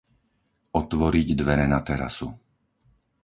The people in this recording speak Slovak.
Otvoriť dvere na terasu.